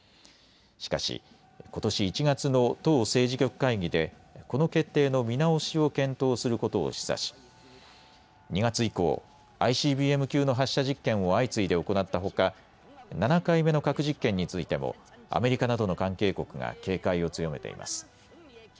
しかし、ことし１月の党政治局会議でこの決定の見直しを検討することを示唆し２月以降、ＩＣＢＭ級の発射実験を相次いで行ったほか７回目の核実験についてもアメリカなどの関係国が警戒を強めています。